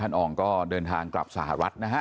เป็นตัวเดินทางจะกลับสหรัฐนะฮะ